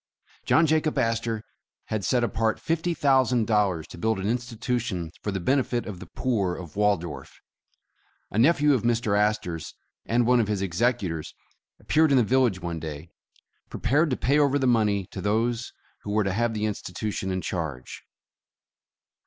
John Jacob Astor had set apart fifty thousand dollars to build an institution for the benefit of the poor of Waldorf. A nephew of Mr. Astor 's and one of his executors, appeared in the village one day, prepared to pay over the money to those who were to have the institution in charge.